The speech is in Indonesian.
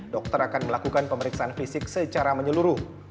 dokter akan melakukan pemeriksaan fisik secara menyeluruh